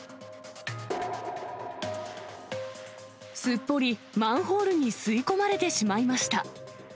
すっぽりマンホールに吸い込まれてしまいました。